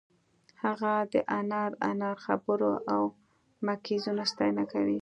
هغه د انار انار خبرو او مکیزونو ستاینه کوي